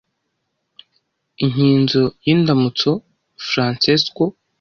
Inkinzo y'indamutso, Francesco: